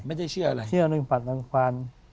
ไม่ได้เชื่ออะไร